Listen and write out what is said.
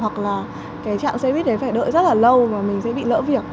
hoặc là cái chạm xe buýt đấy phải đợi rất là lâu mà mình sẽ bị lỡ việc